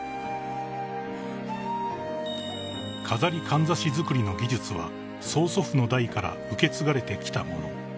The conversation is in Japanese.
［錺かんざし作りの技術は曽祖父の代から受け継がれてきたもの］